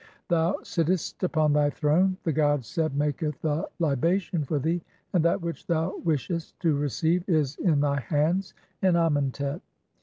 Thou sittest upon thy throne, the god Seb maketh a "libation for thee, and that which thou wishest to receive is "in thy hands in Amentet.